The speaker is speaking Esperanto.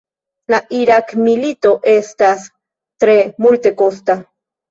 La Irak-milito estas tre multekosta.